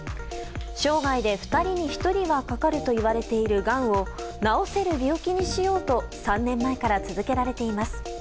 生涯で２人に１人はかかるといわれているがんを治せる病気にしようと３年前から続けられています。